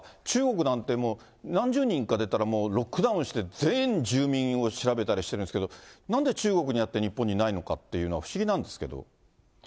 中国なんてもう、何十人か出たらロックダウンして全員住民を調べたりしてるんですけど、なんで中国にあって、日本にないのかというのが不思議なんですけど。